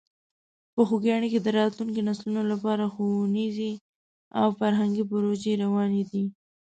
په خوږیاڼي کې د راتلونکو نسلونو لپاره ښوونیزې او فرهنګي پروژې روانې دي.